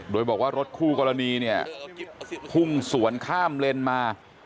โดยบอกว่ารถคู่กรณีเนี่ยพุ่งสวนข้ามเลนมา